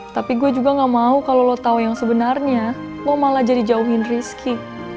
tapi gue juga gak mau kalau lo tau yang sebenarnya lo malah jadi jauhin rizki